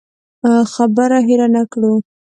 خبره هېره نه کړو.